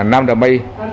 nam trà my